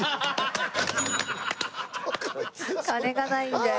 「金がないんだよ」。